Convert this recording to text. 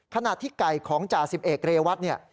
ขณะที่ไก่ของจ่าสิบเอกเรวัตเนี่ย